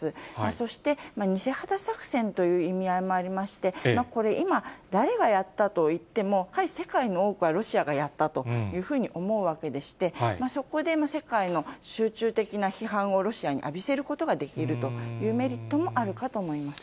そして、偽旗作戦という意味合いもありまして、これ、今誰がやったといっても、やはり世界の多くはロシアがやったというふうに思うわけでして、そこで世界の集中的な批判をロシアに浴びせることができるというメリットもあるかと思います。